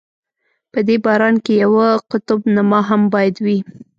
په دې باران کې یوه قطب نما هم باید وي.